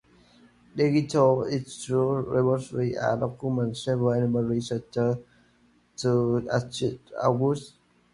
Digital institutional repositories are document servers enabling researchers to archive their research output.